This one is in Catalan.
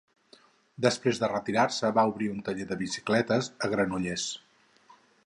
Després de retirar-se va obrir un taller de bicicletes a Granollers.